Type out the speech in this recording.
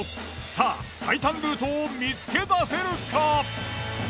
さあ最短ルートを見つけ出せるか？